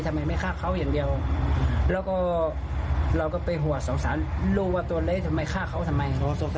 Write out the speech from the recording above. ทำไมไม่ฆ่าเขาอย่างเดียวแล้วก็เราก็ไปหัวสงสารลูกว่าตัวเล็กทำไมฆ่าเขาทำไม